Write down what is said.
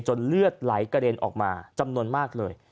เลือดไหลกระเด็นออกมาจำนวนมากเลย